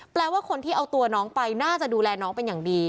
แปลว่าคนที่เอาตัวน้องไปน่าจะดูแลน้องเป็นอย่างดี